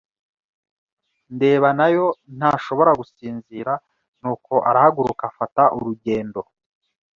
ndeba nayo ntashobora gusinzira nuko arahaguruka afata urugendo.